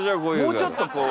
もうちょっとこう。